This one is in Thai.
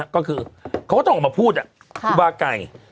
ก็คือเขาก็ต้องออกมาพูดครูบาไก่